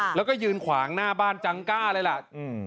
แล้วก็ยืนขวางหน้าบ้านจังกล้าเลยล่ะ